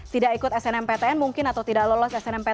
tidak ikut snmptn mungkin atau tidak lalu